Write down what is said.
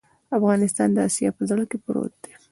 افغانستان د اسیا په زړه کې پروت دی